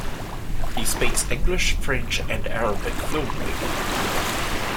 He speaks English, French, and Arabic fluently.